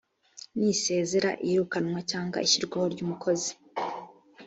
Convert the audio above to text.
n isezera iyirukanwa cyangwa ishyirwaho ryumukozi